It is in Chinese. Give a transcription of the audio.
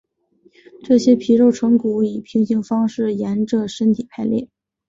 这些皮内成骨以平行方式沿者身体排列。